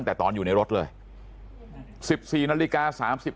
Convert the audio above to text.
ครับคุณสาวทราบไหมครับ